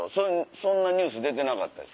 そんなニュース出てなかったです。